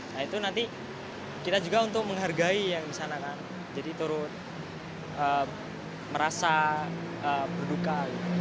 nah itu nanti kita juga untuk menghargai yang di sana kan jadi turut merasa berduka